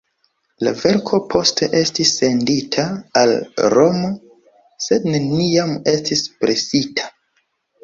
La verko poste estis sendita al Romo, sed neniam estis presita.